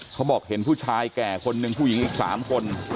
เขาบอกเห็นผู้ชายแก่คนหนึ่งผู้หญิงอีก๓คน